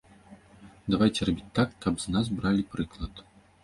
Давайце рабіць так, каб з нас бралі прыклад.